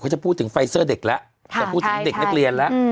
จะพูดถึงไฟเซอร์เด็กแล้วจะพูดถึงเด็กนักเรียนแล้ว